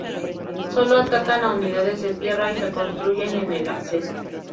Sólo atacan a unidades de tierra, y se construyen en el Acceso.